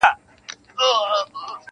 • ستا پستې پستې خبري مي یا دېږي..